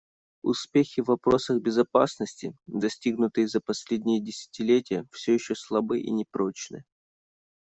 Успехи в вопросах безопасности, достигнутые за последнее десятилетие, все еще слабы и непрочны.